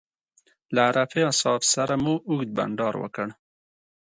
له رفیع صاحب سره مو اوږد بنډار وکړ.